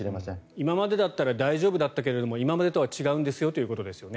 今までだったら大丈夫だったかもしれないけど今までとは違うんですよということですね。